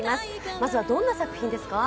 まずはどんな作品ですか？